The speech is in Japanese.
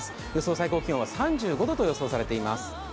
最高気温は３５度と予想されています。